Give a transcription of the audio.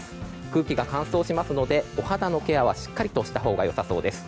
空気が乾燥しますのでお肌のケアはしっかりとしたほうが良さそうです。